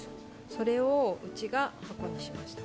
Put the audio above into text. それをうちがお箱にしました。